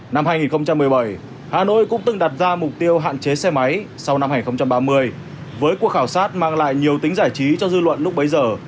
năm hai nghìn một mươi bảy hà nội cũng từng đặt ra mục tiêu hạn chế xe máy sau năm hai nghìn ba mươi với cuộc khảo sát mang lại nhiều tính giải trí cho dư luận lúc bấy giờ